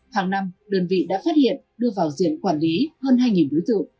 hàng năm đơn vị đã phát hiện đưa vào diện quản lý hơn hai đối tượng